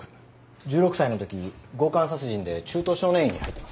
１６歳のとき強姦殺人で中等少年院に入っています。